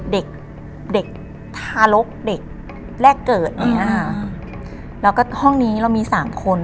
เด็กเด็กทารกเด็กแรกเกิดอย่างเงี้ยค่ะแล้วก็ห้องนี้เรามีสามคน